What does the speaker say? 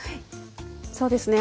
そうですね。